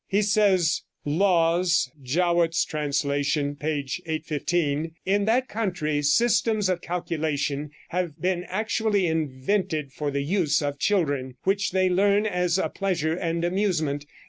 He says ("Laws," Jowett's translation, p. 815): "In that country systems of calculation have been actually invented for the use of children, which they learn as a pleasure and amusement.